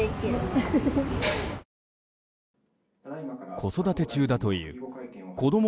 子育て中だというこども